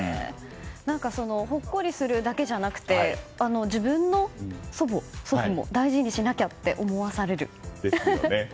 ほっこりするだけじゃなくて自分の祖母、祖父も大事にしなきゃって思わされますね。